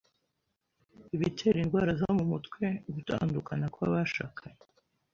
Ibitera indwara zo mu mutwe gutandukana kw’abashakanye